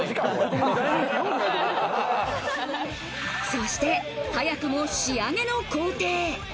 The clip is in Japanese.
そして早くも仕上げの工程。